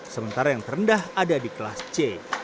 sementara yang terendah ada di kelas c